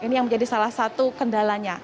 ini yang menjadi salah satu kendalanya